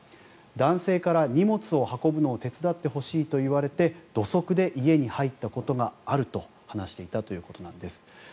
男性から、荷物を運ぶのを手伝ってほしいといわれて土足で家に入ったことがあると話していたということなんです。